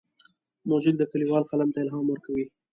موزیک د لیکوال قلم ته الهام ورکوي.